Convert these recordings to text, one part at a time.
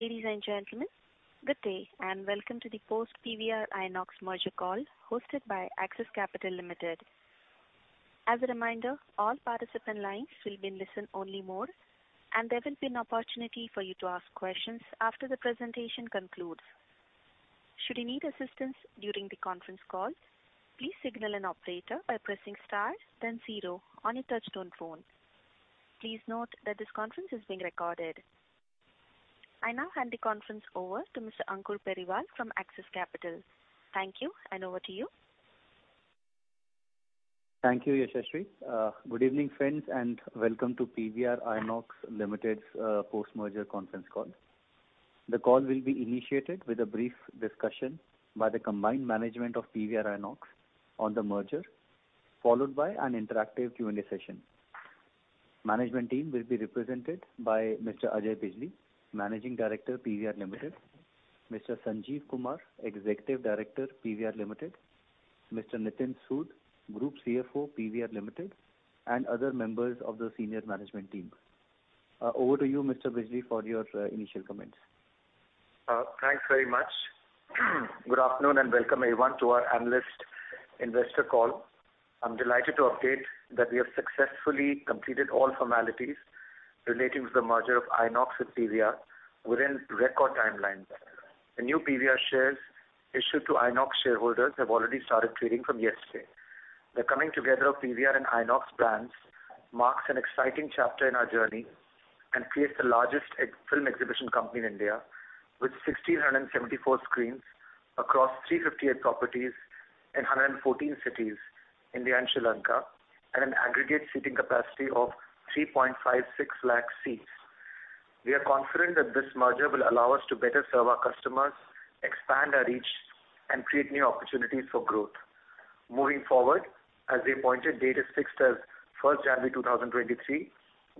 Ladies and gentlemen, good day and welcome to the post PVR-INOX merger call hosted by Axis Capital Limited. As a reminder, all participant lines will be in listen only mode, and there will be an opportunity for you to ask questions after the presentation concludes. Should you need assistance during the conference call, please signal an operator by pressing star then 0 on your touch-tone phone. Please note that this conference is being recorded. I now hand the conference over to Mr. Ankur Periwal from Axis Capital. Thank you, and over to you. Thank you, Yashaswi. Good evening, friends, and welcome to PVR INOX Limited's post-merger conference call. The call will be initiated with a brief discussion by the combined management of PVR INOX on the merger, followed by an interactive Q&A session. Management team will be represented by Mr. Ajay Bijli, Managing Director, PVR Limited, Mr. Sanjeev Kumar, Executive Director, PVR Limited, Mr. Nitin Sood, Group CFO, PVR Limited, and other members of the senior management team. Over to you, Mr. Bijli, for your initial comments. Thanks very much. Good afternoon and welcome everyone to our analyst investor call. I'm delighted to update that we have successfully completed all formalities relating to the merger of INOX with PVR within record timelines. The new PVR shares issued to INOX shareholders have already started trading from yesterday. The coming together of PVR and INOX brands marks an exciting chapter in our journey and creates the largest ex- film exhibition company in India with 1,674 screens across 358 properties in 114 cities, India and Sri Lanka, and an aggregate seating capacity of 3.56 lakh seats. We are confident that this merger will allow us to better serve our customers, expand our reach, and create new opportunities for growth. Moving forward, as the appointed date is fixed as 1 January 2023,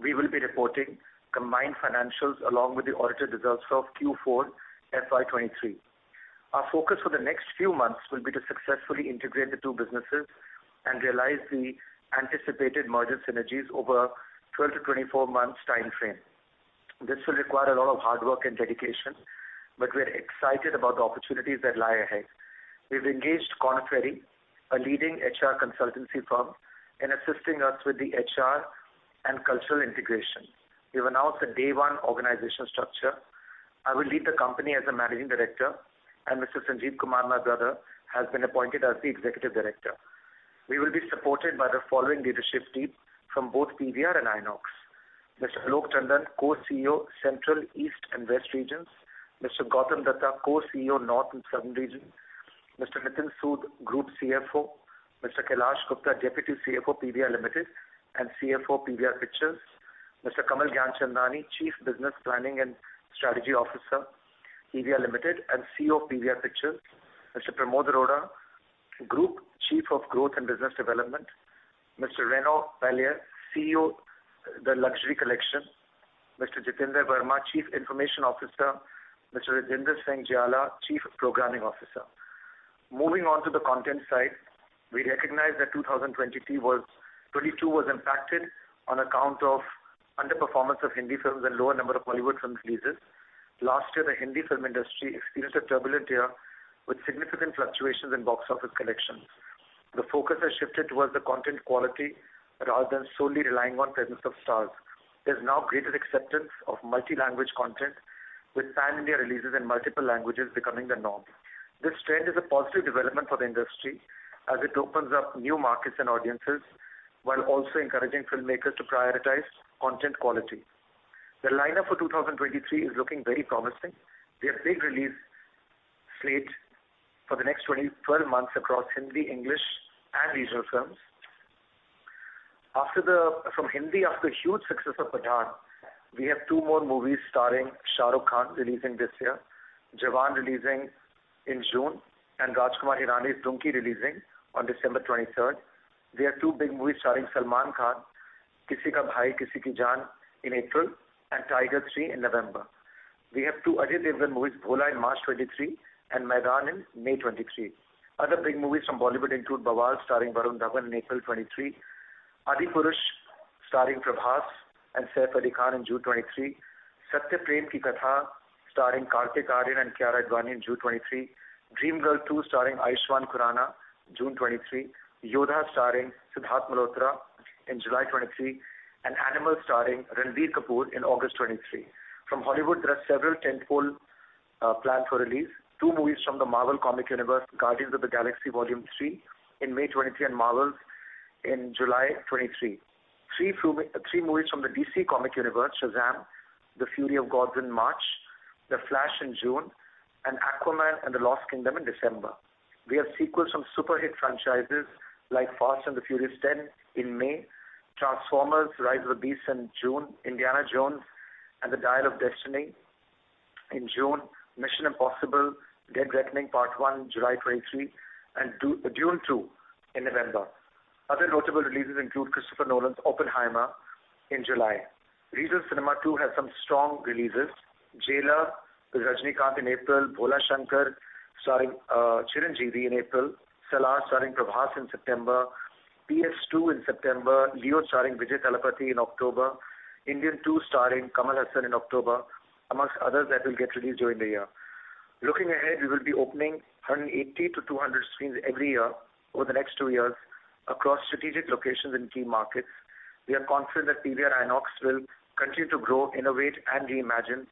we will be reporting combined financials along with the auditor results of Q4 FY23. Our focus for the next few months will be to successfully integrate the two businesses and realize the anticipated merger synergies over a 12 to 24 months time frame. This will require a lot of hard work and dedication, but we're excited about the opportunities that lie ahead. We've engaged Korn Ferry, a leading HR consultancy firm, in assisting us with the HR and cultural integration. We've announced the Day 1 organizational structure. I will lead the company as the managing director, and Mr. Sanjeev Kumar, my brother, has been appointed as the executive director. We will be supported by the following leadership team from both PVR and INOX. Mr. Alok Tandon, Co-CEO, Central, East and West regions. Mr. Gautam Dutta, Co-CEO, North and Southern regions. Mr. Nitin Sood, Group CFO. Mr. Kailash Gupta, Deputy CFO, PVR Limited and CFO, PVR Pictures. Mr. Kamal Gianchandani, Chief Business Planning and Strategy Officer, PVR Limited and CEO of PVR Pictures. Mr. Pramod Arora, Group Chief of Growth and Business Development. Mr. Renaud Palliere, CEO, The Luxury Collection. Mr. Jitender Verma, Chief Information Officer. Mr. Rajender Singh Jyala, Chief Programming Officer. Moving on to the content side, we recognize that 2022 was impacted on account of underperformance of Hindi films and lower number of Hollywood film releases. Last year, the Hindi film industry experienced a turbulent year with significant fluctuations in box office collections. The focus has shifted towards the content quality rather than solely relying on presence of stars. There's now greater acceptance of multi-language content, with simultaneous releases in multiple languages becoming the norm. This trend is a positive development for the industry as it opens up new markets and audiences while also encouraging filmmakers to prioritize content quality. The lineup for 2023 is looking very promising. We have big release slate for the next 12 months across Hindi, English and regional films. From Hindi, after the huge success of Pathaan, we have two more movies starring Shah Rukh Khan releasing this year. Jawan releasing in June and Rajkumar Hirani's Dunki releasing on December 23rd. We have two big movies starring Salman Khan, Kisi Ka Bhai Kisi Ki Jaan in April and Tiger 3 in November. We have two Ajay Devgn movies, Bholaa in March 2023 and Maidaan in May 2023. Other big movies from Bollywood include Bawaal starring Varun Dhawan in April 2023, Adipurush starring Prabhas and Saif Ali Khan in June 2023, Satyaprem Ki Katha starring Kartik Aaryan and Kiara Advani in June 2023, Dream Girl 2 starring Ayushmann Khurrana, June 2023, Yodha starring Sidharth Malhotra in July 2023, and Animal starring Ranbir Kapoor in August 2023. From Hollywood, there are several tentpole planned for release. 2 movies from the Marvel Comic Universe, Guardians of the Galaxy Vol. 3 in May 2023 and The Marvels in July 2023. 3 movies from the DC Comic Universe, Shazam! Fury of the Gods in March, The Flash in June, and Aquaman and the Lost Kingdom in December. We have sequels from super hit franchises like Fast X in May, Transformers: Rise of the Beasts in June, Indiana Jones and the Dial of Destiny in June, Mission: Impossible - Dead Reckoning Part One in July 2023, and Dune: Part Two in November. Other notable releases include Christopher Nolan's Oppenheimer in July. Regional cinema too has some strong releases. Jailer with Rajinikanth in April, Bhola Shankar Starring Chiranjeevi in April. Salaar starring Prabhas in September. PS-2 in September. Leo starring Vijay Thalapathy in October. Indian 2 starring Kamal Haasan in October, amongst others that will get released during the year. Looking ahead, we will be opening 180-200 screens every year over the next 2 years across strategic locations in key markets. We are confident that PVR INOX will continue to grow, innovate, and reimagine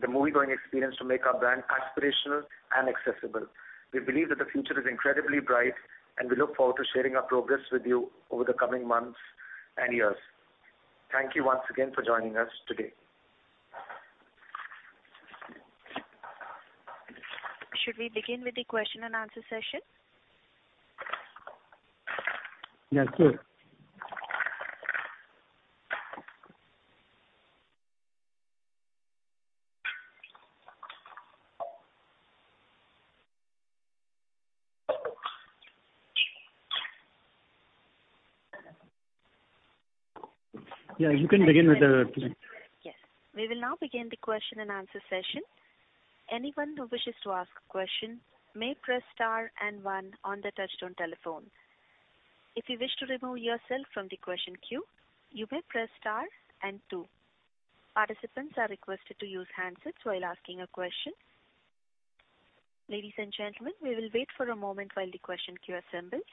the movie-going experience to make our brand aspirational and accessible. We believe that the future is incredibly bright, and we look forward to sharing our progress with you over the coming months and years. Thank you once again for joining us today. Should we begin with the question and answer session? You can begin with. Yes. We will now begin the Q&A session. Anyone who wishes to ask a question may press star and 1 on the touchtone telephone. If you wish to remove yourself from the question queue, you may press star and 2. Participants are requested to use handsets while asking a question. Ladies and gentlemen, we will wait for a moment while the question queue assembles.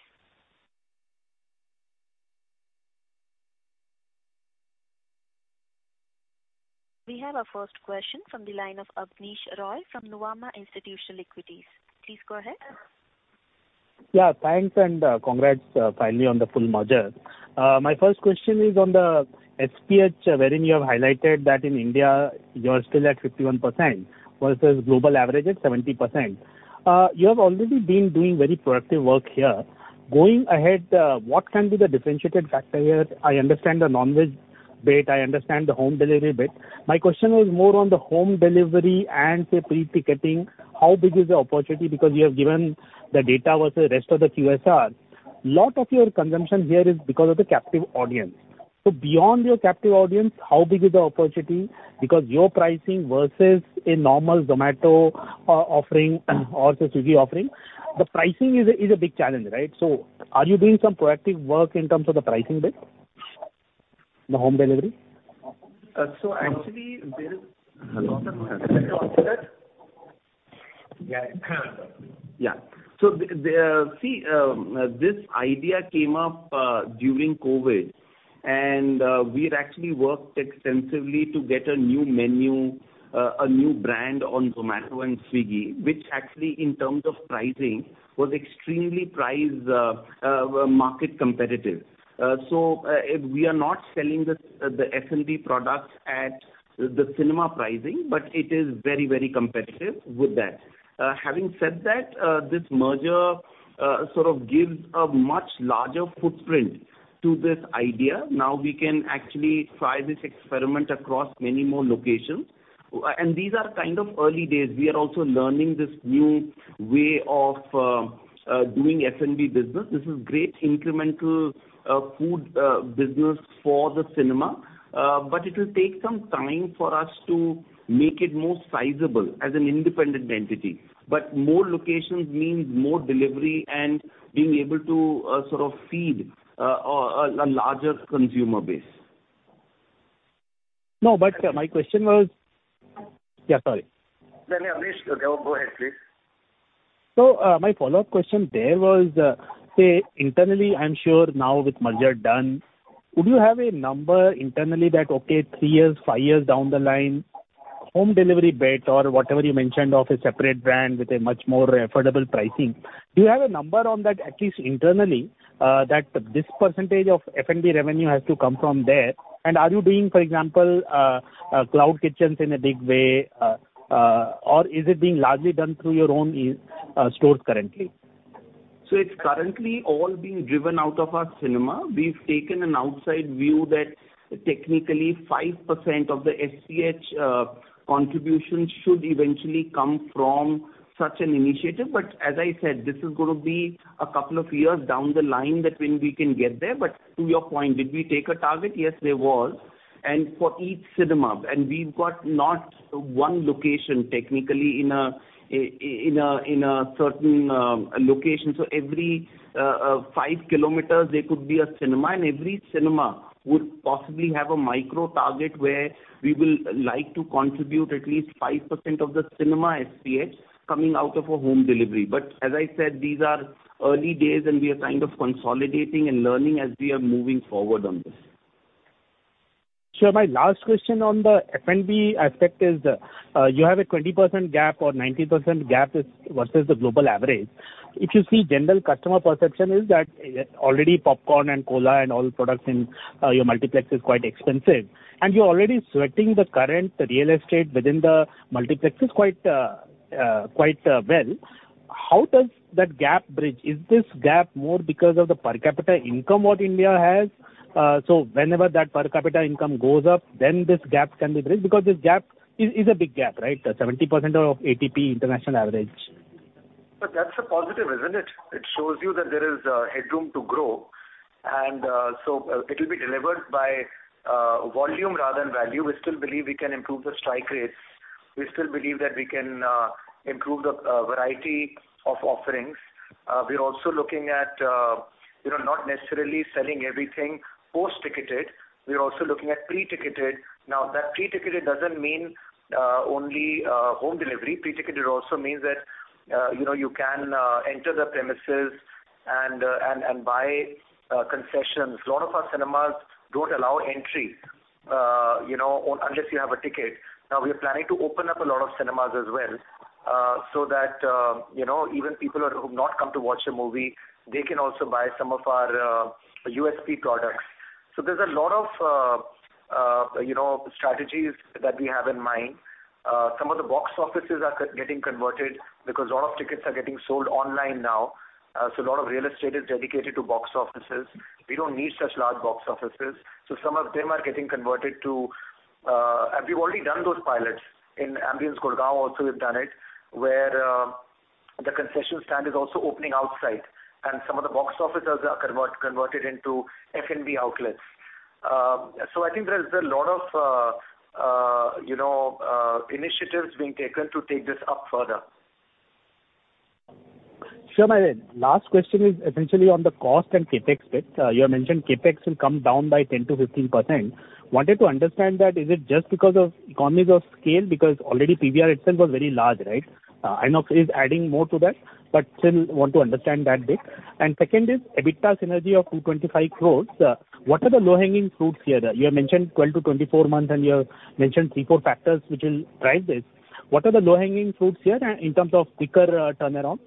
We have our first question from the line of Abneesh Roy from Nuvama Institutional Equities. Please go ahead. Yeah, thanks and congrats finally on the full merger. My first question is on the FCH, wherein you have highlighted that in India you're still at 51% versus global average at 70%. You have already been doing very proactive work here. Going ahead, what can be the differentiated factor here? I understand the non-veg bit, I understand the home delivery bit. My question was more on the home delivery and, say, pre-ticketing. How big is the opportunity? You have given the data versus rest of the QSR. Lot of your consumption here is because of the captive audience. Beyond your captive audience, how big is the opportunity? Your pricing versus a normal Zomato offering or Swiggy offering, the pricing is a big challenge, right? Are you doing some proactive work in terms of the pricing bit, the home delivery? The idea came up during COVID and we had actually worked extensively to get a new menu, a new brand on Zomato and Swiggy, which actually in terms of pricing was extremely price market competitive. We are not selling the F&B products at the cinema pricing, but it is very, very competitive with that. Having said that, this merger sort of gives a much larger footprint to this idea. Now we can actually try this experiment across many more locations. These are kind of early days. We are also learning this new way of doing F&B business. This is great incremental food business for the cinema. It will take some time for us to make it more sizable as an independent entity. More locations means more delivery and being able to sort of feed a larger consumer base. No. My question was. Sorry. No, Abneesh, no, go ahead please. My follow-up question there was, say internally, I'm sure now with merger done, would you have a number internally that, okay, three years, five years down the line, home delivery bit or whatever you mentioned of a separate brand with a much more affordable pricing. Do you have a number on that, at least internally, that this percentage of F&B revenue has to come from there? Are you doing, for example, cloud kitchens in a big way? Or is it being largely done through your own stores currently? It's currently all being driven out of our cinema. We've taken an outside view that technically 5% of the FCH contribution should eventually come from such an initiative. As I said, this is gonna be a couple of years down the line that when we can get there. To your point, did we take a target? Yes, there was. For each cinema, and we've got not one location technically in a, in a certain location. Every five kilometers there could be a cinema, and every cinema would possibly have a micro target where we will like to contribute at least 5% of the cinema FCH coming out of a home delivery. As I said, these are early days and we are kind of consolidating and learning as we are moving forward on this. Sure. My last question on the F&B aspect is, you have a 20% gap or 19% gap is versus the global average. If you see general customer perception is that, already popcorn and cola and all products in your multiplex is quite expensive, and you're already sweating the current real estate within the multiplex is quite well. How does that gap bridge? Is this gap more because of the per capita income what India has? Whenever that per capita income goes up, then this gap can be bridged because this gap is a big gap, right? 70% of ATP international average. That's a positive, isn't it? It shows you that there is headroom to grow So it'll be delivered by volume rather than value. We still believe we can improve the strike rates. We still believe that we can improve the variety of offerings. We are also looking at, you know, not necessarily selling everything post-ticketed. We are also looking at pre-ticketed. That pre-ticketed doesn't mean only home delivery. Pre-ticketed also means that, you know, you can enter the premises and buy concessions. A lot of our cinemas don't allow entry, you know, unless you have a ticket. We're planning to open up a lot of cinemas as well, so that, you know, even people who have not come to watch a movie, they can also buy some of our USP products. There's a lot of, you know, strategies that we have in mind. Some of the box offices are getting converted because a lot of tickets are getting sold online now. A lot of real estate is dedicated to box offices. We don't need such large box offices, so some of them are getting converted to. And we've already done those pilots. In Ambience, Gurgaon also we've done it, where the concession stand is also opening outside, and some of the box offices are converted into F&B outlets. I think there is a lot of, you know, initiatives being taken to take this up further. Sure. My last question is essentially on the cost and CapEx bit. You have mentioned CapEx will come down by 10% to 15%. Wanted to understand that, is it just because of economies of scale? Because already PVR itself was very large, right? INOX is adding more to that, but still want to understand that bit. Second is, EBITDA synergy of 225 crores. What are the low-hanging fruits here? You have mentioned 12 to 24 months, and you have mentioned 3, 4 factors which will drive this. What are the low-hanging fruits here in terms of quicker, turnaround?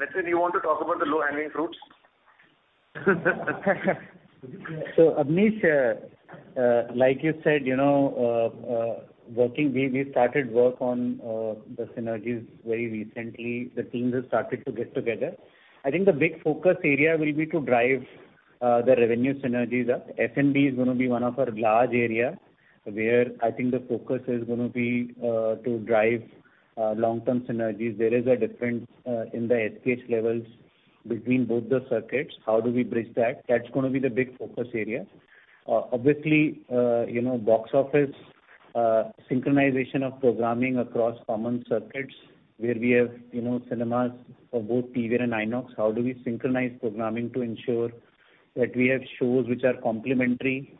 Nitin, do you want to talk about the low-hanging fruits? Abneesh Roy, like you said, we started work on the synergies very recently. The teams have started to get together. I think the big focus area will be to drive the revenue synergies up. F&B is gonna be one of our large area, where I think the focus is gonna be to drive long-term synergies. There is a difference in the HK levels between both the circuits. How do we bridge that? That's gonna be the big focus area. Obviously, box office, synchronization of programming across common circuits where we have cinemas for both PVR and INOX. How do we synchronize programming to ensure that we have shows which are complementary,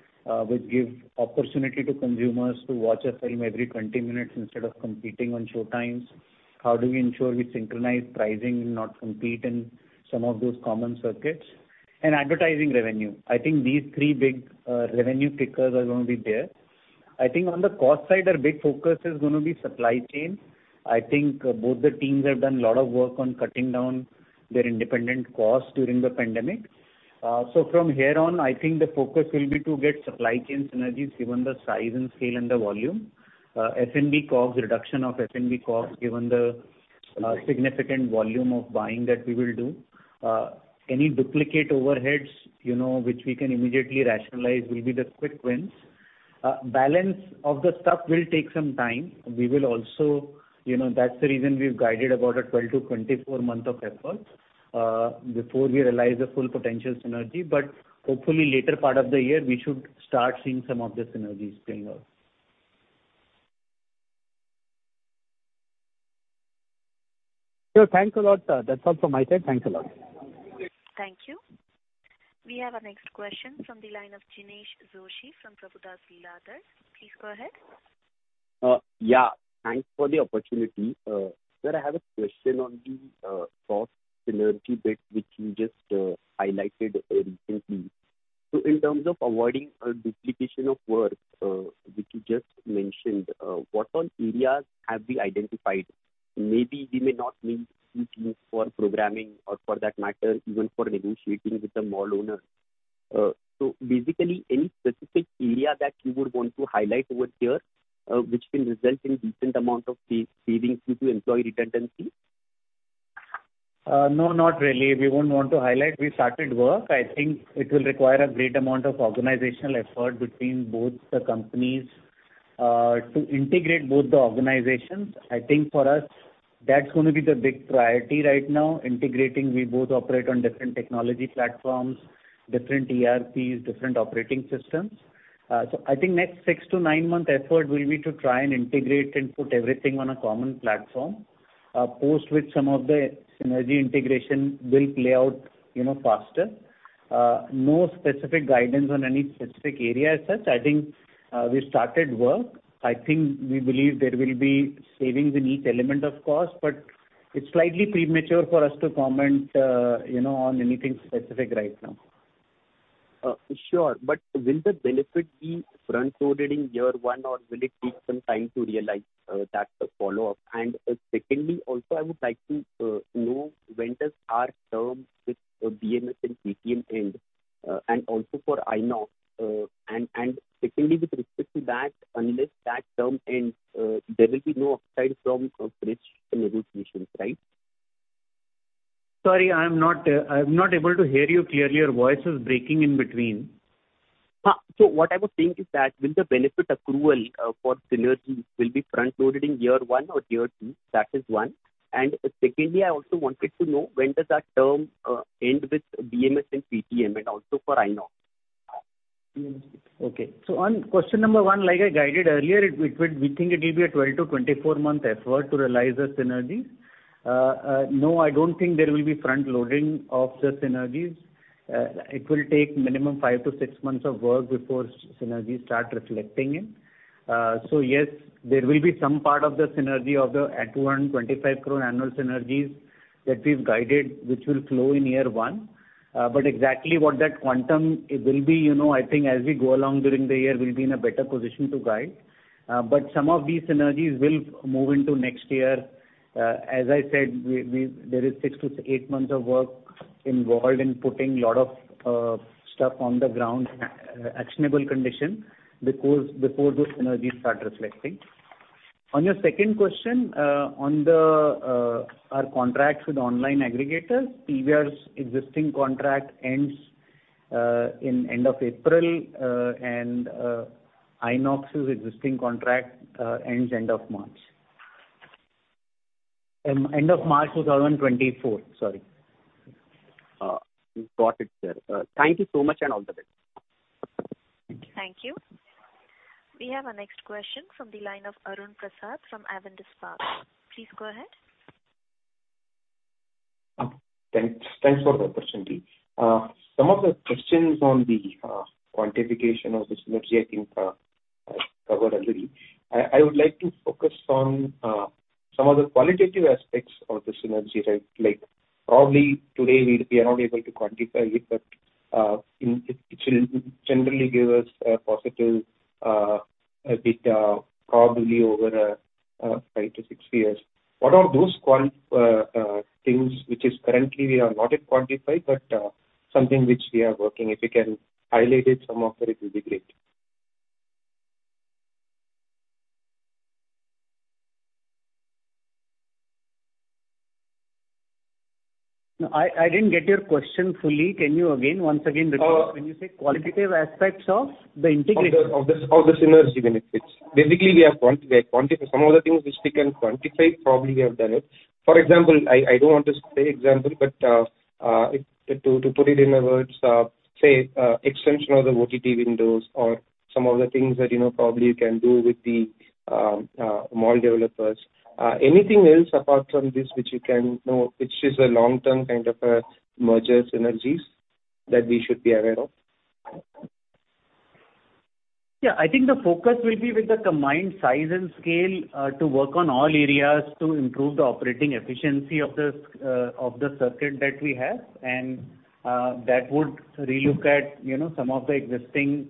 which give opportunity to consumers to watch a film every 20 minutes instead of competing on showtimes? How do we ensure we synchronize pricing and not compete in some of those common circuits? Advertising revenue. I think these three big revenue pickers are gonna be there. I think on the cost side, our big focus is gonna be supply chain. I think both the teams have done a lot of work on cutting down their independent costs during the pandemic. From here on, I think the focus will be to get supply chain synergies given the size and scale and the volume. F&B costs, reduction of F&B costs given the significant volume of buying that we will do. Any duplicate overheads, you know, which we can immediately rationalize will be the quick wins. Balance of the stuff will take some time. We will also, that's the reason we've guided about a 12-24 month of effort, before we realize the full potential synergy. Hopefully later part of the year we should start seeing some of the synergies paying off. Sure. Thanks a lot. That's all from my side. Thanks a lot. Great. Thank you. We have our next question from the line of Jinesh Joshi from Prabhudas Lilladher. Please go ahead. Thanks for the opportunity. Sir, I have a question on the cost synergy bit which you just highlighted recently. In terms of avoiding a duplication of work, which you just mentioned, what all areas have we identified? Maybe we may not need two teams for programming or for that matter, even for negotiating with the mall owner. Basically any specific area that you would want to highlight over here, which can result in decent amount of savings due to employee redundancy? No, not really. We won't want to highlight. We started work. I think it will require a great amount of organizational effort between both the companies to integrate both the organizations. I think for us that's gonna be the big priority right now, integrating. We both operate on different technology platforms, different ERP's, different operating systems. I think next 6 to 9 month effort will be to try and integrate and put everything on a common platform, post which some of the synergy integration will play out, faster. No specific guidance on any specific area as such. I think we started work. I think we believe there will be savings in each element of cost, but it's slightly premature for us to comment, you know, on anything specific right now. Sure. Will the benefit be front-loaded in year 1 or will it take some time to realize, that follow-up? Secondly, also I would like to know when does our term with BMS and Paytm end, and also for INOX. Secondly, with respect to that, unless that term ends, there will be no upside from bridge negotiations, right? Sorry, I'm not, I'm not able to hear you clearly. Your voice is breaking in between. What I was saying is that will the benefit accrual, for synergy will be front-loaded in year one or year two? That is one. Secondly, I also wanted to know when does that term end with BMS and PVR and also for INOX? Okay. On question number one, like I guided earlier, we think it will be a 12 to 24 month effort to realize the synergy. No, I don't think there will be frontloading of the synergies. It will take minimum 5 to 6 months of work before synergy start reflecting in. Yes, there will be some part of the synergy of the at 125 crore annual synergies that we've guided, which will flow in year one. Exactly what that quantum will be, you know, I think as we go along during the year we'll be in a better position to guide. Some of these synergies will move into next year. As I said, there is 6 to 8 months of work involved in putting a lot of stuff on the ground, actionable condition before those synergies start reflecting. On your second question, on the our contracts with online aggregators, PVR's existing contract ends in end of April, and INOX's existing contract ends end of March. End of March 2024, sorry. Got it, sir. Thank you so much, and all the best. Thank you. We have our next question from the line of Arun Prasad from Avendus Spark. Please go ahead. Thanks for the opportunity. Some of the questions on the quantification of the synergy I think are covered already. I would like to focus on some of the qualitative aspects of the synergy. Right. Probably today we'll be unable to quantify it, but it will generally give us a positive data probably over 5 to 6 years. What are those qual things which is currently we are not at quantify, but something which we are working. If you can highlight it some more, sir, it will be great. No, I didn't get your question fully. Can you once again repeat? When you say qualitative aspects of the integration. Of the synergy benefits. Basically, Some of the things which we can quantify, probably we have done it. For example, I don't want to say example, but if to put it in other words, say extension of the OTT windows or some of the things that, you know, probably you can do with the mall developers. Anything else apart from this which you can know, which is a long-term kind of a merger synergies that we should be aware of? I think the focus will be with the combined size and scale to work on all areas to improve the operating efficiency of the circuit that we have. That would relook at, you know, some of the existing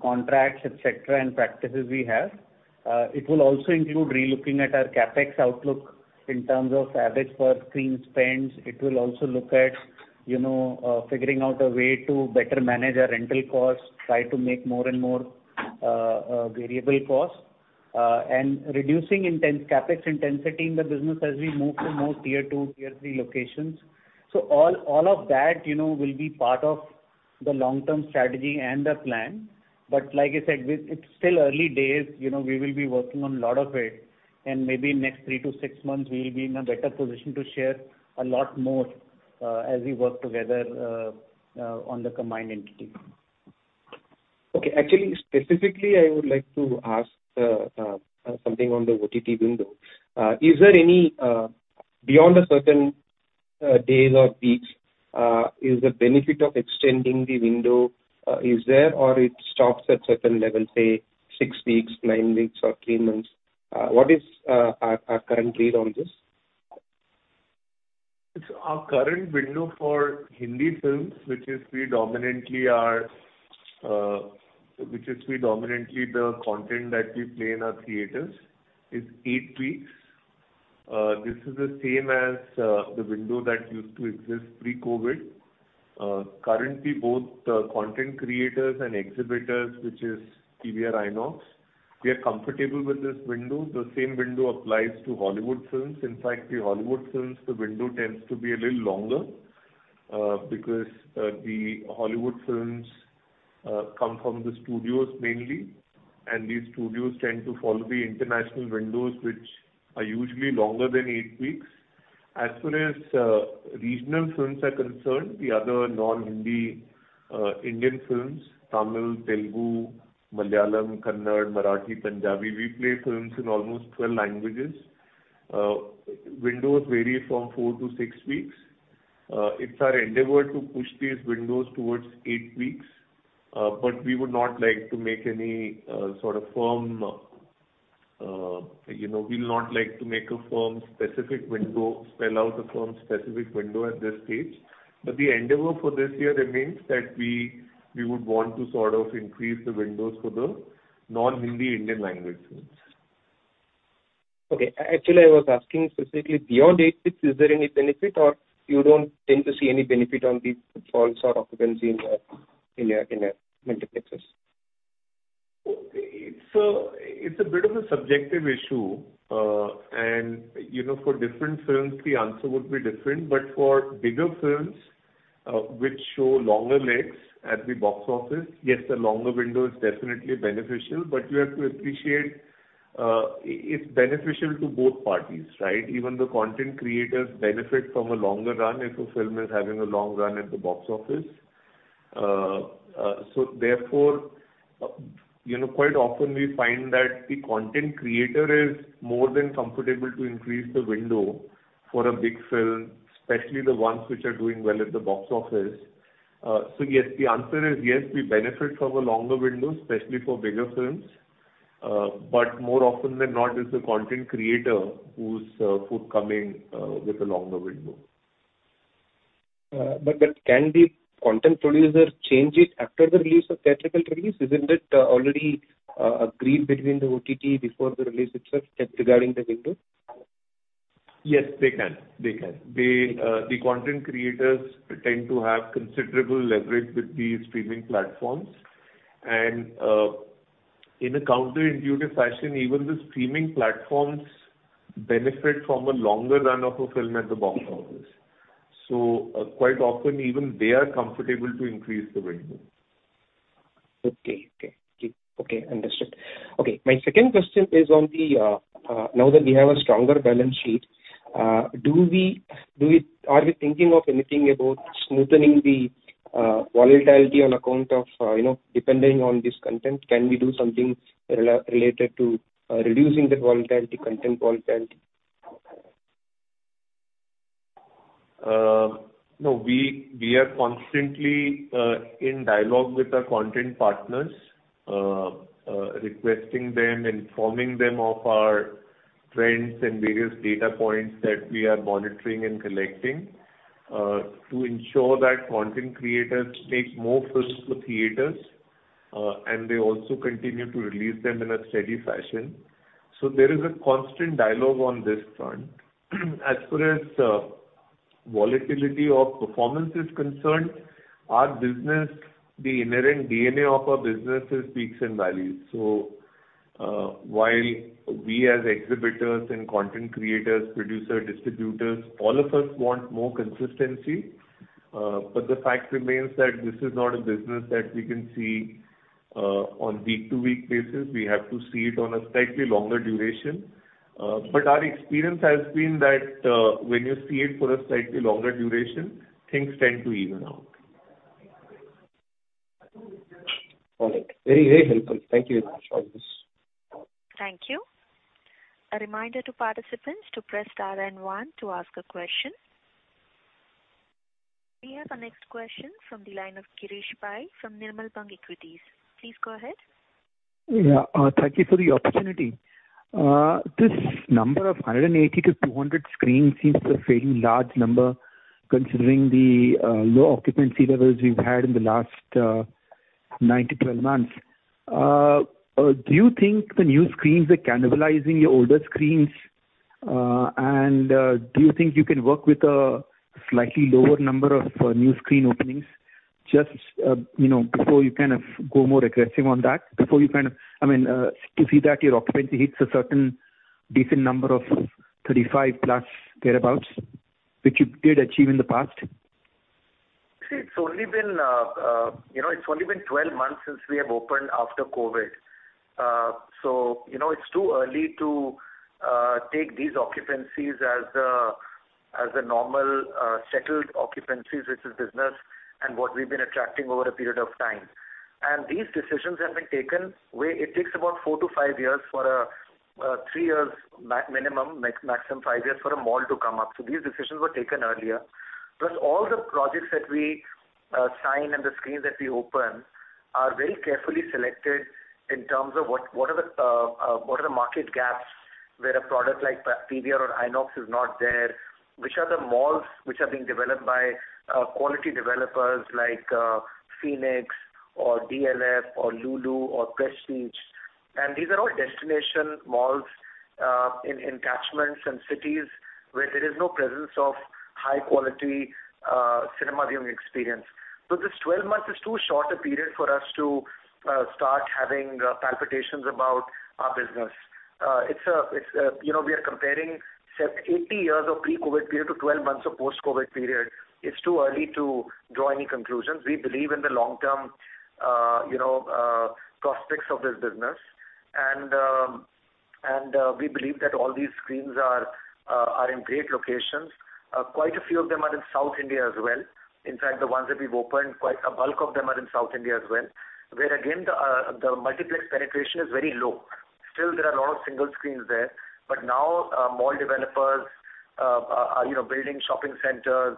contracts, et cetera, and practices we have. It will also include relooking at our CapEx outlook in terms of average per screen spends. It will also look at, you know, figuring out a way to better manage our rental costs, try to make more and more variable costs and reducing CapEx intensity in the business as we move to more tier two, tier three locations. All of that, you know, will be part of the long-term strategy and the plan. Like I said, It's still early days. We will be working on a lot of it, and maybe next 3 to 6 months we'll be in a better position to share a lot more, as we work together, on the combined entity. Okay. Actually, specifically, I would like to ask something on the OTT window. Is there any beyond a certain days or weeks, is the benefit of extending the window, is there or it stops at certain level, say 6 weeks, 9 weeks or 3 months? What is our current read on this? It's our current window for Hindi films, which is predominantly the content that we play in our theaters, is 8 weeks. This is the same as the window that used to exist pre-COVID. Currently both the content creators and exhibitors, which is PVR INOX, we are comfortable with this window. The same window applies to Hollywood films. The Hollywood films, the window tends to be a little longer because the Hollywood films come from the studios mainly, and these studios tend to follow the international windows, which are usually longer than 8 weeks. As far as regional films are concerned, the other non-Hindi Indian films, Tamil, Telugu, Malayalam, Kannada, Marathi, Punjabi, we play films in almost 12 languages. Windows vary from 4 to 6 weeks. It's our endeavor to push these windows towards eight weeks. We would not like to make any sort of firm, you know, we'll not like to make a firm specific window, spell out the firm specific window at this stage. The endeavor for this year remains that we would want to sort of increase the windows for the non-Hindi Indian language films. Actually, I was asking specifically beyond 8 weeks, is there any benefit or you don't tend to see any benefit on the falls or occupancy in your multiplexes? It's a bit of a subjective issue, and, you know, for different films, the answer would be different. For bigger films, which show longer legs at the box office, the longer window is definitely beneficial. You have to appreciate, it's beneficial to both parties, right? Even the content creators benefit from a longer run if a film is having a long run at the box office. Therefore, you know, quite often we find that the content creator is more than comfortable to increase the window for a big film, especially the ones which are doing well at the box office. Yes, the answer is yes, we benefit from a longer window, especially for bigger films. More often than not, it's the content creator who's forthcoming with a longer window. Can the content producer change it after the release of theatrical release? Isn't it already agreed between the OTT before the release itself regarding the window? Yes. They can. They, the content creators tend to have considerable leverage with the streaming platforms. In a counterintuitive fashion, even the streaming platforms benefit from a longer run of a film at the box office. Quite often even they are comfortable to increase the window. Okay. Okay. Understood. Okay. My second question is on the now that we have a stronger balance sheet, are we thinking of anything about smoothening the volatility on account of, you know, depending on this content, can we do something related to reducing the volatility, content volatility? No, we are constantly in dialogue with our content partners, requesting them, informing them of our trends and various data points that we are monitoring and collecting, to ensure that content creators make more films for theaters, and they also continue to release them in a steady fashion. There is a constant dialogue on this front. As far as volatility of performance is concerned, our business, the inherent DNA of our business is peaks and valleys. While we as exhibitors and content creators, producer, distributors, all of us want more consistency, but the fact remains that this is not a business that we can see on week-to-week basis. We have to see it on a slightly longer duration. Our experience has been that, when you see it for a slightly longer duration, things tend to even out. All right. Very, very helpful. Thank you very much for this. Thank you. A reminder to participants to press star and 1 to ask a question. We have our next question from the line of Girish Pai from Nirmal Bang Equities. Please go ahead. Thank you for the opportunity. This number of 180 to 200 screens seems a fairly large number considering the low occupancy levels we've had in the last 9 to 12 months. Do you think the new screens are cannibalizing your older screens? And do you think you can work with a slightly lower number of new screen openings just, you know, before you kind of go more aggressive on that, I mean, to see that your occupancy hits a certain decent number of 35%+ thereabouts, which you did achieve in the past. It's only been, it's only been 12 months since we have opened after COVID. You know, it's too early to take these occupancies as a normal, settled occupancies, which is business and what we've been attracting over a period of time. These decisions have been taken where it takes about 4 to 5 years for a, 3 years minimum, maximum 5 years for a mall to come up. These decisions were taken earlier. All the projects that we sign and the screens that we open are very carefully selected in terms of what are the market gaps where a product like PVR or INOX is not there, which are the malls which are being developed by quality developers like Phoenix or DLF or Lulu or Prestige. These are all destination malls, in catchments and cities where there is no presence of high quality, cinema viewing experience. This 12 months is too short a period for us to start having palpitations about our business. It's a, it's a, you know, we are comparing say 80 years of pre-COVID period to 12 months of post-COVID period. It's too early to draw any conclusions. We believe in the long term, you know, prospects of this business. We believe that all these screens are in great locations. Quite a few of them are in South India as well. In fact, the ones that we've opened, quite a bulk of them are in South India as well, where again, the multiplex penetration is very low. Still, there are a lot of single screens there. Now, mall developers are, you know, building shopping centers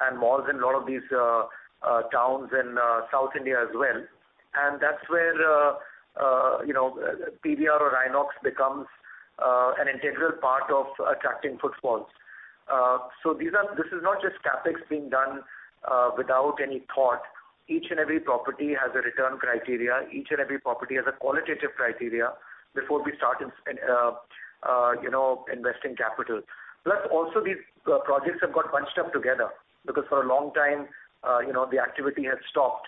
and malls in a lot of these towns in South India as well. That's where, you know, PVR or INOX becomes an integral part of attracting footfalls. This is not just CapEx being done without any thought. Each and every property has a return criteria. Each and every property has a qualitative criteria. Before we start in, you know, investing capital. Plus also these projects have got bunched up together because for a long time, you know, the activity has stopped.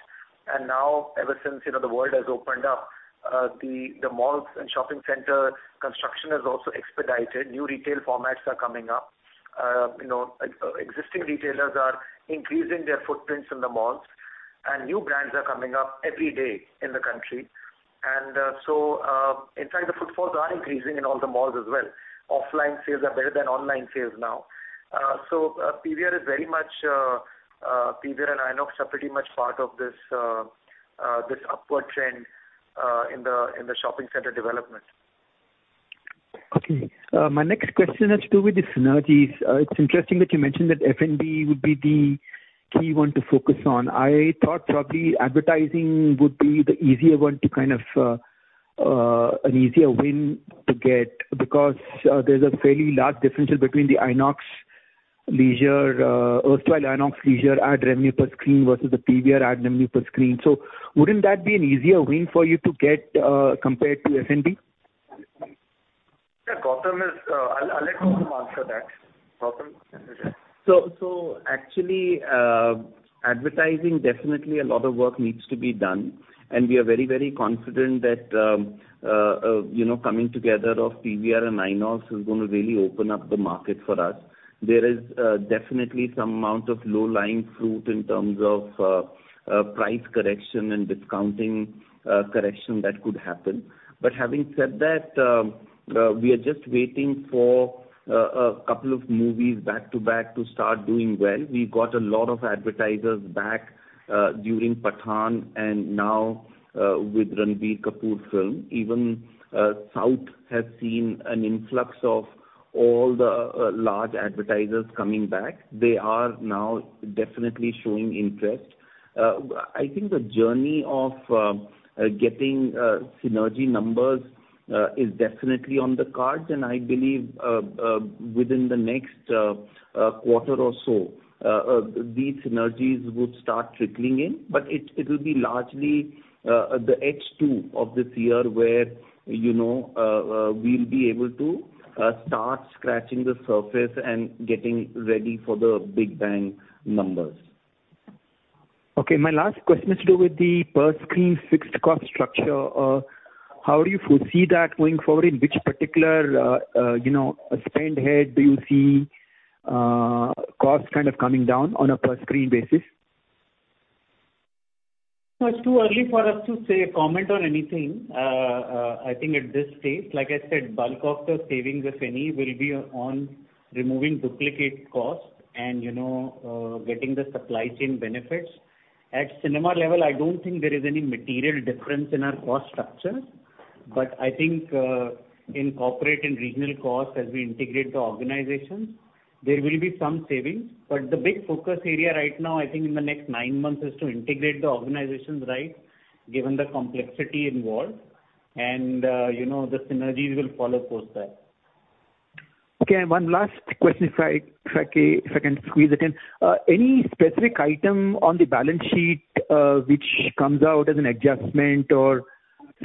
Now ever since, you know, the world has opened up, the malls and shopping center construction has also expedited. New retail formats are coming up. You know, existing retailers are increasing their footprints in the malls, and new brands are coming up every day in the country. In fact, the footfalls are increasing in all the malls as well. Offline sales are better than online sales now. PVR is very much PVR and INOX are pretty much part of this upward trend in the shopping center development. Okay. My next question has to do with the synergies. It's interesting that you mentioned that F&B would be the key one to focus on. I thought probably advertising would be the easier one to kind of an easier win to get because there's a fairly large differential between the INOX Leisure, erstwhile INOX Leisure ad revenue per screen versus the PVR ad revenue per screen. Wouldn't that be an easier win for you to get, compared to F&B? Yeah, Gautam is, I'll let Gautam answer that. Gautam, can you take? Actually, advertising definitely a lot of work needs to be done. We are very, very confident that, you know, coming together of PVR and INOX is gonna really open up the market for us. There is definitely some amount of low-lying fruit in terms of price correction and discounting correction that could happen. Having said that, we are just waiting for a couple of movies back-to-back to start doing well. We got a lot of advertisers back during Pathaan and now with Ranbir Kapoor film. Even South has seen an influx of all the large advertisers coming back. They are now definitely showing interest. I think the journey of getting synergy numbers is definitely on the cards, and I believe within the next quarter or so, these synergies would start trickling in. But it'll be largely the H2 of this year where, you know, we'll be able to start scratching the surface and getting ready for the big bang numbers. Okay. My last question has to do with the per screen fixed cost structure. How do you foresee that going forward? In which particular, you know, spend head do you see, costs kind of coming down on a per screen basis? No, it's too early for us to say or comment on anything. I think at this stage, like I said, bulk of the savings, if any, will be on removing duplicate costs and, you know, getting the supply chain benefits. At cinema level, I don't think there is any material difference in our cost structure. I think, in corporate and regional costs, as we integrate the organizations, there will be some savings. The big focus area right now, I think in the next nine months, is to integrate the organizations right, given the complexity involved and, you know, the synergies will follow post that. Okay, one last question if I can squeeze it in. Any specific item on the balance sheet which comes out as an adjustment or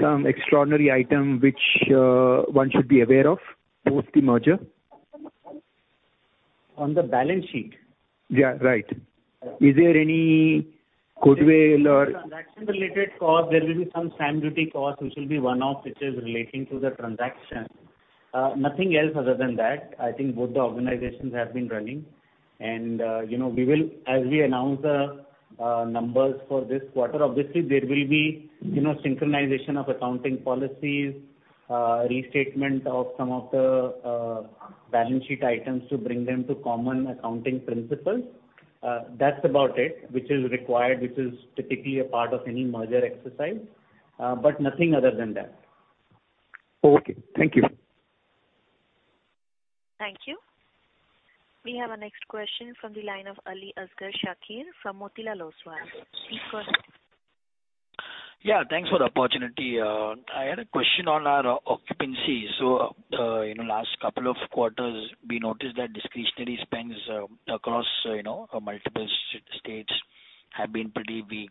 some extraordinary item which one should be aware of post the merger? On the balance sheet? Right. Is there any good way? Transaction-related cost, there will be some stamp duty cost, which will be one-off, which is relating to the transaction. Nothing else other than that. I think both the organizations have been running and, you know, as we announce the numbers for this quarter, obviously there will be, you know, synchronization of accounting policies, restatement of some of the balance sheet items to bring them to common accounting principles. That's about it, which is required, which is typically a part of any merger exercise, but nothing other than that. Okay. Thank you. Thank you. We have our next question from the line of Aliasgar Shakir from Motilal Oswal. Please go ahead. Thanks for the opportunity. I had a question on our occupancy. Last couple of quarters, we noticed that discretionary spends, across, you know, multiple states have been pretty weak.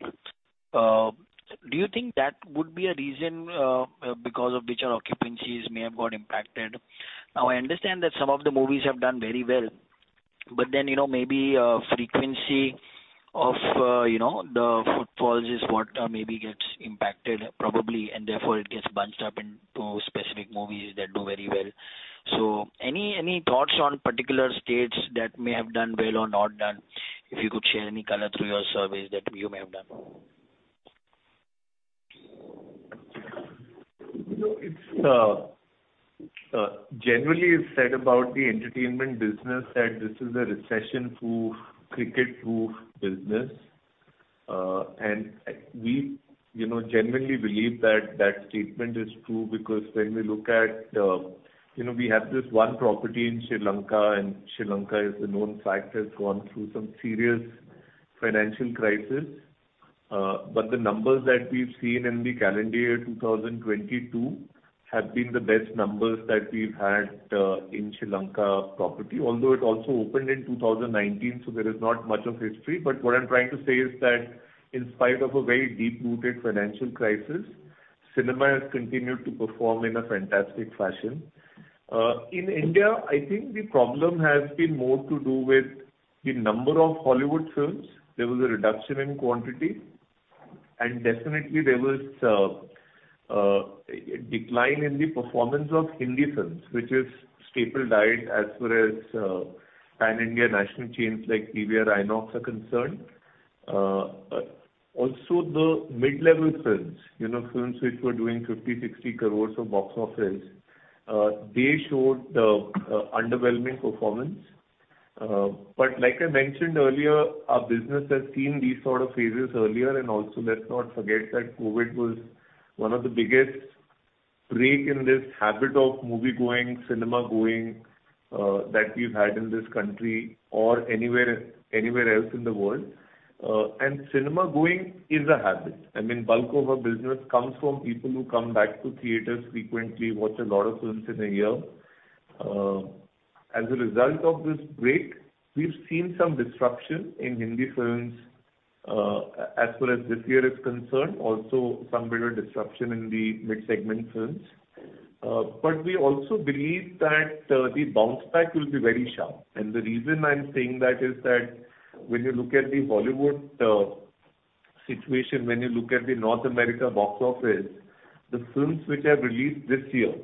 Do you think that would be a reason, because of which our occupancies may have got impacted? I understand that some of the movies have done very well, but then, you know, maybe, frequency of, you know, the footfalls is what, maybe gets impacted probably, and therefore it gets bunched up into specific movies that do very well. Any, any thoughts on particular states that may have done well or not done? If you could share any caller through your surveys that you may have done. It's generally said about the entertainment business that this is a recession-proof, cricket-proof business. We, you know, genuinely believe that that statement is true because when we look at, you know, we have this one property in Sri Lanka, and Sri Lanka is a known fact has gone through some serious financial crisis. The numbers that we've seen in the calendar year 2022 have been the best numbers that we've had in Sri Lanka property. Although it also opened in 2019, so there is not much of history. What I'm trying to say is that in spite of a very deep-rooted financial crisis- Cinema has continued to perform in a fantastic fashion. In India, I think the problem has been more to do with the number of Hollywood films. There was a reduction in quantity, and definitely there was a decline in the performance of Hindi films, which is staple diet as far as pan-India national chains like PVR INOX are concerned. Also the mid-level films, you know, films which were doing 50-60 crores of box office, they showed underwhelming performance. Like I mentioned earlier, our business has seen these sort of phases earlier, also let's not forget that COVID was one of the biggest break in this habit of movie-going, cinema-going, that we've had in this country or anywhere else in the world. Cinema-going is a habit. I mean, bulk of our business comes from people who come back to theaters frequently, watch a lot of films in a year. As a result of this break, we've seen some disruption in Hindi films, as far as this year is concerned, also some greater disruption in the mid-segment films. We also believe that the bounce back will be very sharp. The reason I'm saying that is that when you look at the Hollywood situation, when you look at the North America box office, the films which have released this year,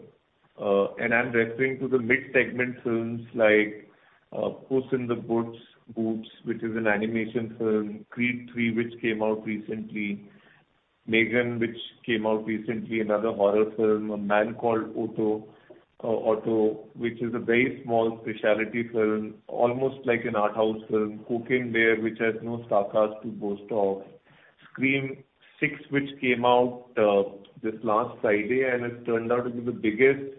and I'm referring to the mid-segment films like Puss in Boots, which is an animation film, Creed III, which came out recently, M3GAN, which came out recently, another horror film, A Man Called Otto, which is a very small speciality film, almost like an art house film, Cocaine Bear, which has no star cast to boast of. Scream VI, which came out this last Friday, and it's turned out to be the biggest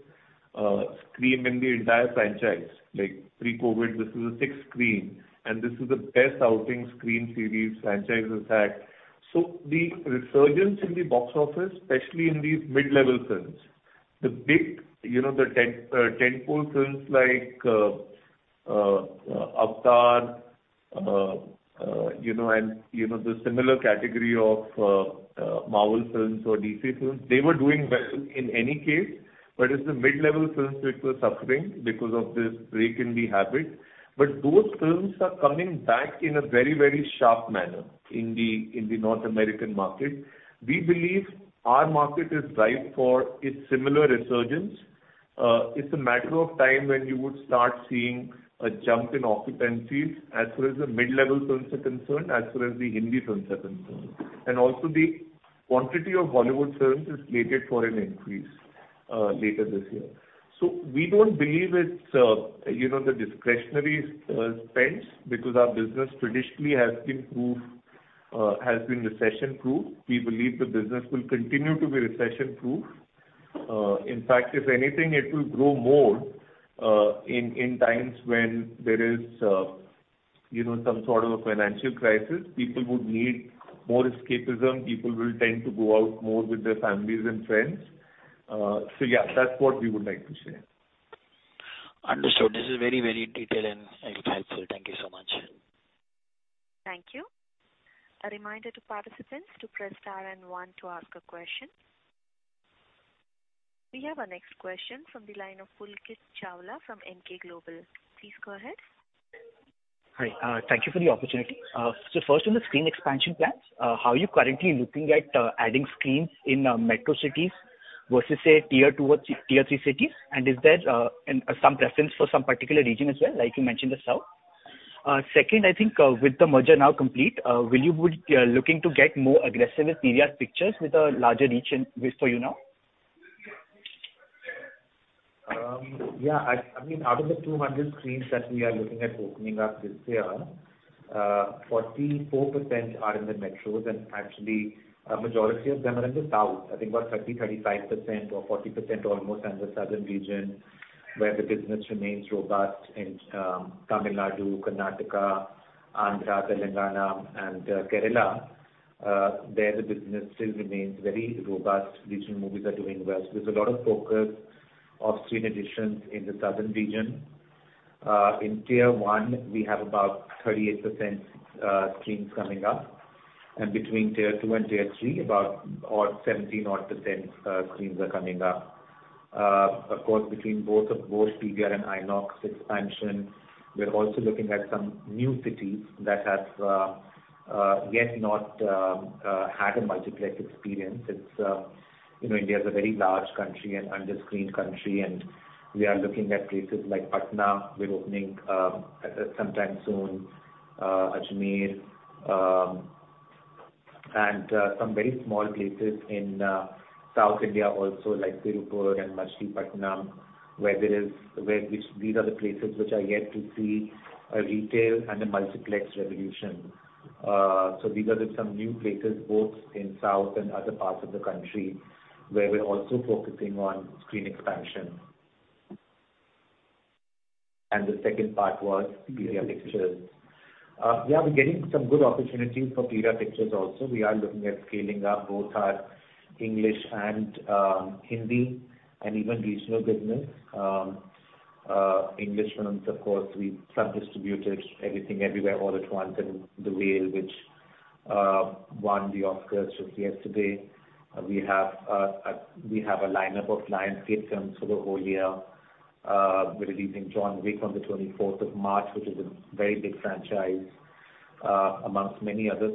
Scream in the entire franchise. Like pre-COVID, this is the sixth Scream, and this is the best outing Scream series franchise has had. The resurgence in the box office, especially in these mid-level films. The big, you know, the tent, tentpole films like, Avatar, you know, and, you know, the similar category of, Marvel films or DC films, they were doing well in any case. It's the mid-level films which were suffering because of this break in the habit. Those films are coming back in a very, very sharp manner in the North American market. We believe our market is ripe for a similar resurgence. It's a matter of time when you would start seeing a jump in occupancies as far as the mid-level films are concerned, as far as the Hindi films are concerned. Also the quantity of Hollywood films is slated for an increase, later this year. We don't believe it's, you know, the discretionary, spends because our business traditionally has been recession-proof. We believe the business will continue to be recession-proof. In fact, if anything, it will grow more, in times when there is, you know, some sort of a financial crisis. People would need more escapism. People will tend to go out more with their families and friends. Yeah, that's what we would like to share. Understood. This is very, very detailed and helpful. Thank you so much. Thank you. A reminder to participants to press star and 1 to ask a question. We have our next question from the line of Pulkit Chawla from Emkay Global. Please go ahead. Hi, thank you for the opportunity. First on the screen expansion plans, how are you currently looking at adding screens in metro cities versus say Tier Two or Tier Three cities? Is there some preference for some particular region as well, like you mentioned the South? Second, I think, with the merger now complete, will you be looking to get more aggressive with PVR Pictures with a larger reach in this for you now? I mean, out of the 200 screens that we are looking at opening up this year, 44% are in the metros, and actually a majority of them are in the South. I think about 30%, 35% or 40% almost are in the southern region where the business remains robust in Tamil Nadu, Karnataka, Andhra, Telangana and Kerala. There the business still remains very robust. Regional movies are doing well. There's a lot of focus of screen additions in the southern region. In Tier One, we have about 38% screens coming up. Between Tier Two and Tier Three, about 17 odd percent screens are coming up. Of course, between both PVR and INOX expansion, we're also looking at some new cities that have yet not had a multiplex experience. You know, India is a very large country, an under-screened country. We are looking at places like Patna. We're opening sometime soon Ajmer, and some very small places in South India also like Tirupur and Narsipatnam, these are the places which are yet to see a retail and a multiplex revolution. These are some new places both in South and other parts of the country where we're also focusing on screen expansion. The second part was PVR Pictures. We're getting some good opportunities for PVR Pictures also. We are looking at scaling up both our English and Hindi and even regional business. English films, of course, we sub-distributed Everything Everywhere All at Once and The Whale, which won the Oscars just yesterday. We have a lineup of Lionsgate films for the whole year. We're releasing John Wick on the 24th of March, which is a very big franchise amongst many other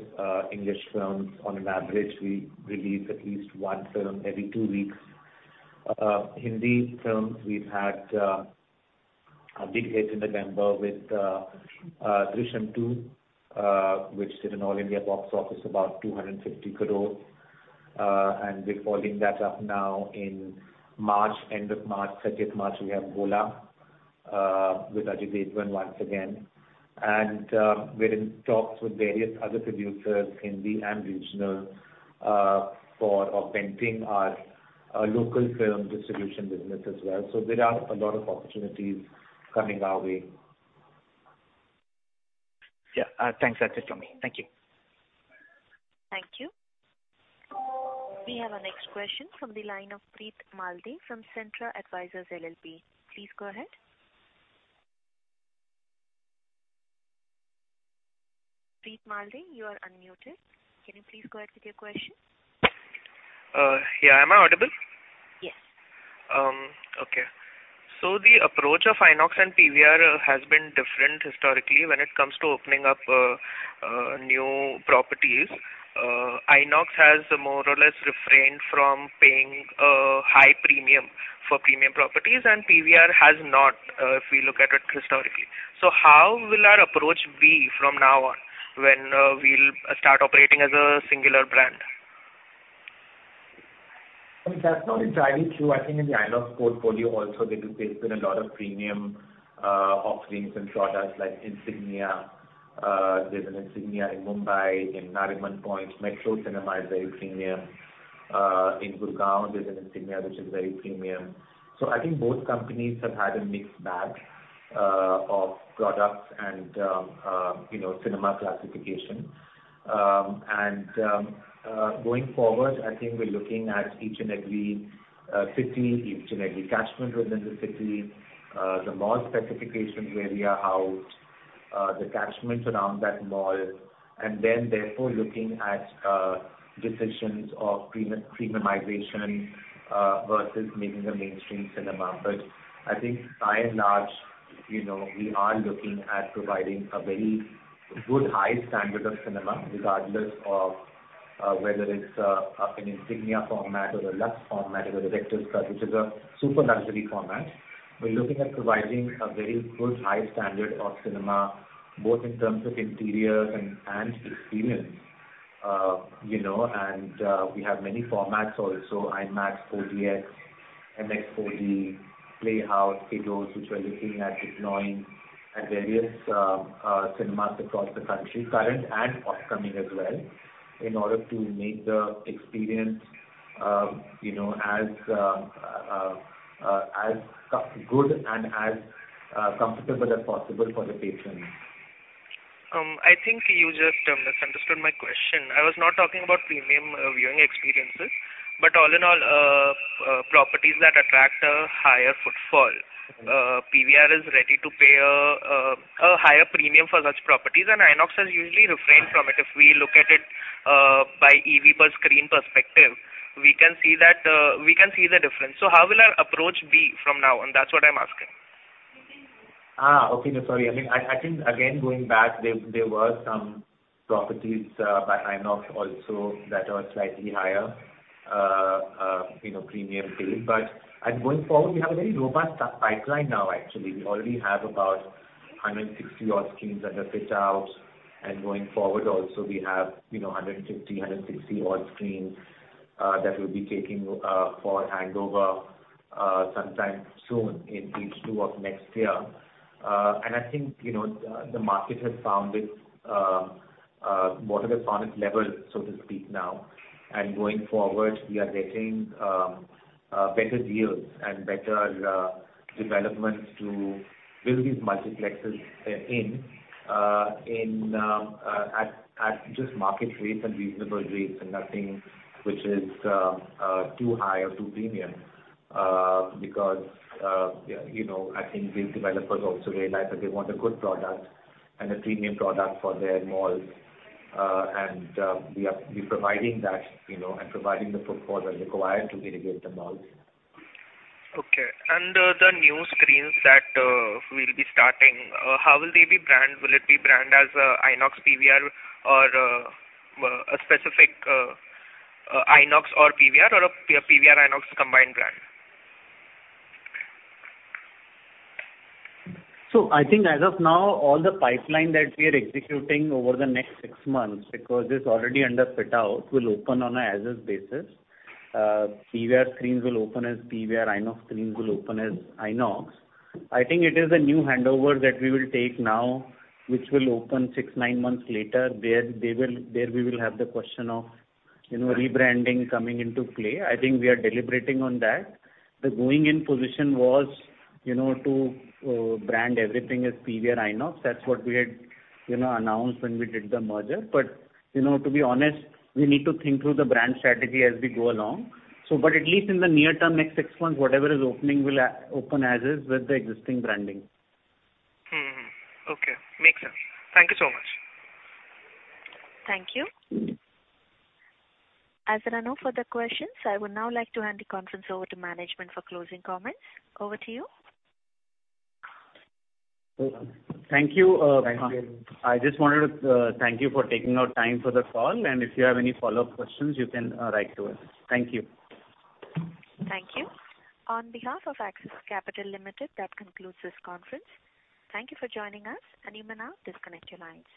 English films. On an average, we release at least 1 film every 2 weeks. Hindi films, we've had a big hit in November with Drishyam 2, which did an all-India box office about 250 crore. We're following that up now in March, end of March. 3rd March, we have Bholaa with Ajay Devgn once again. We're in talks with various other producers, Hindi and regional, for augmenting our local film distribution business as well. There are a lot of opportunities coming our way. Thanks. That's it from me. Thank you. Thank you. We have our next question from the line of Preet Malde from Centra Advisors LLP. Please go ahead. Preet Malde, you are unmuted. Can you please go ahead with your question? Yeah. Am I audible? Yes. Okay. The approach of INOX and PVR has been different historically when it comes to opening up new properties. INOX has more or less refrained from paying a high premium for premium properties, and PVR has not, if we look at it historically. How will our approach be from now on when we'll start operating as a singular brand? I mean, that's not entirely true. I think in the INOX portfolio also there's been a lot of premium offerings and products like Insignia. There's an Insignia in Mumbai in Nariman Point. Metro Cinema is very premium. In Gurgaon, there's an Insignia which is very premium. I think both companies have had a mixed bag of products and, you know, cinema classification. And going forward, I think we're looking at each and every city, each and every catchment within the city, the mall specifications where we are housed, the catchments around that mall, and then therefore looking at decisions of premiumization versus making a mainstream cinema. I think by and large, you know, we are looking at providing a very good high standard of cinema regardless of whether it's an Insignia format or a LUXE format or a Director's Cut, which is a super luxury format. We're looking at providing a very good high standard of cinema, both in terms of interiors and experience, you know, and we have many formats also IMAX 4DX, MX4D, Playhouse, Kiddles, which we're looking at deploying at various cinemas across the country, current and forthcoming as well, in order to make the experience, you know, as good and as comfortable as possible for the patron. I think you just misunderstood my question. I was not talking about premium viewing experiences, but all in all, properties that attract a higher footfall. PVR is ready to pay a higher premium for such properties, and INOX has usually refrained from it. If we look at it by EV per screen perspective, we can see that we can see the difference. How will our approach be from now on? That's what I'm asking. Okay. No, sorry. I mean, I think again, going back there were some properties by INOX also that are slightly higher, you know, premium tier. Going forward, we have a very robust pipeline now actually. We already have about 160 odd screens under fit-out. Going forward also we have, you know, 150, 160 odd screens that we'll be taking for handover sometime soon in Q2 of next year. I think, you know, the market has found its more of a solid level, so to speak now. Going forward, we are getting better deals and better developments to build these multiplexes at just market rates and reasonable rates and nothing which is too high or too premium. Because, you know, I think these developers also realize that they want a good product and a premium product for their malls. And we're providing that, you know, and providing the footfall that's required to mitigate the malls. Okay. The new screens that will be starting, how will they be brand? Will it be brand as INOX PVR or a specific INOX or PVR or a PVR INOX combined brand? I think as of now, all the pipeline that we are executing over the next 6 months, because it's already under fit-out, will open on a as is basis. PVR screens will open as PVR. INOX screens will open as INOX. I think it is a new handover that we will take now, which will open 6, 9 months later. There we will have the question of, you know, rebranding coming into play. I think we are deliberating on that. The going in position was, you know, to brand everything as PVR INOX. That's what we had, you know, announced when we did the merger. But, you know, to be honest, we need to think through the brand strategy as we go along. But at least in the near term, next 6 months, whatever is opening will open as is with the existing branding. Okay. Makes sense. Thank you so much. Thank you. As there are no further questions, I would now like to hand the conference over to management for closing comments. Over to you. Thank you. Thank you. I just wanted to thank you for taking out time for the call, and if you have any follow-up questions, you can write to us. Thank you. Thank you. On behalf of Axis Capital Limited, that concludes this conference. Thank you for joining us, and you may now disconnect your lines.